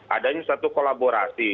adanya suatu kolaborasi